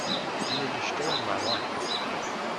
You were destroying my life.